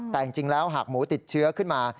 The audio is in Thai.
แต่จริงแล้วหากหมูติดเชื้อขึ้นมา